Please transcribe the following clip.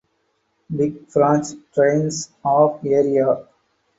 Big Branch drains of area.